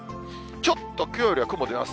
ちょっときょうよりは雲出ます。